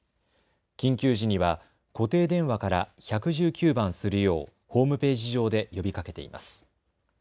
緊急時には固定電話から１１９番するようホームページ上で呼びかけています。